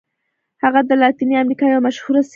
هغه د لاتیني امریکا یوه مشهوره څیره ده.